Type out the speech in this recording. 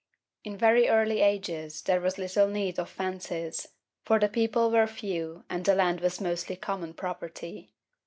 In very early ages there was little need of fences, for the people were few and the land was mostly common property.